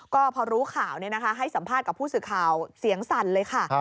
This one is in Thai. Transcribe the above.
ก็พอรู้ข่าวให้สัมภาษณ์กับผู้สื่อข่าวเสียงสั่นเลยค่ะ